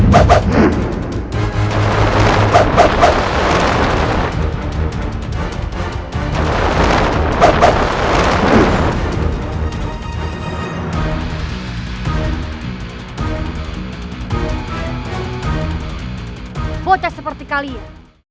buat saya seperti kalian